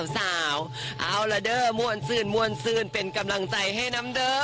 สาวเอาละเด้อมวลซื่นมวลซื่นเป็นกำลังใจให้น้ำเด้อ